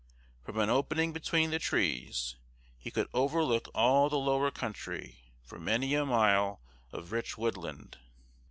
From an opening between the trees, he could overlook all the lower country for many a mile of rich woodland.